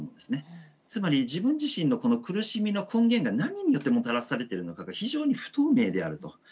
つまり自分自身のこの苦しみの根源が何によってもたらされてるのかが非常に不透明であると。